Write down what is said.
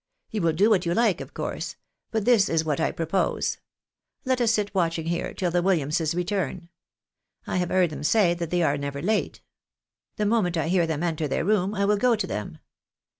You will do what you like, of course ; but this is what I should propose. Let us sit watching here till the WiUiamses return. I have heard them say that they are never late. The moment I hear them enter their room I will go to them.